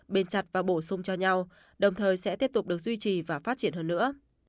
bền chặt và bổ sung cho nhau đồng thời sẽ tiếp tục được duy trì và phát triển hơn nữa